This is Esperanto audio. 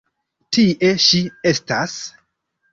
Tie ŝi estas.